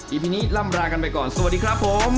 อภินิล่ำลากันไปก่อนสวัสดีครับผม